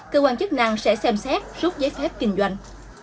cơ quan chức năng sẽ xem xét rút giấy phép kinh doanh